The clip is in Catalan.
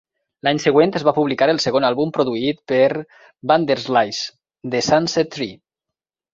L'any següent es va publicar el segon àlbum produït per Vanderslice, "The Sunset Tree".